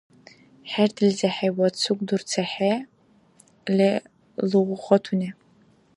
ХӀердилзехӀе ва цугдурцехӀе лугъатуни.